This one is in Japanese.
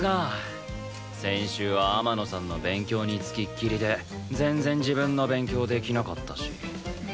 先週は天野さんの勉強に付きっきりで全然自分の勉強できなかったし。